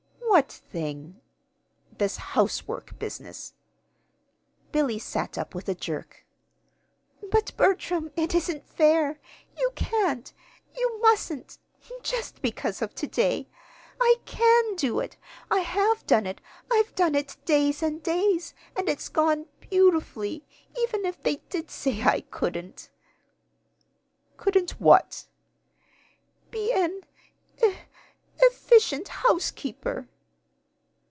"What thing?" "This housework business." Billy sat up with a jerk. "But, Bertram, it isn't fair. You can't you mustn't just because of to day! I can do it. I have done it. I've done it days and days, and it's gone beautifully even if they did say I couldn't!" "Couldn't what?" "Be an e efficient housekeeper."